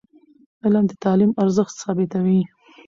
علم د تعلیم ارزښت ثابتوي.